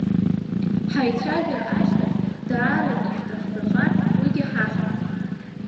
Ҳаицәажәара ашьҭахь, даарак ишәҭахӡазар, уигьы ҳахап.